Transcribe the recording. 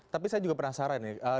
tapi saya juga penasaran nih